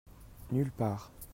Nulle part.